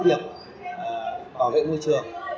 bảo vệ môi trường